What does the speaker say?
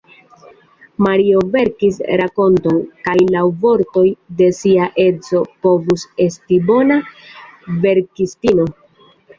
Mario verkis rakonton, kaj laŭ vortoj de sia edzo povus esti bona verkistino.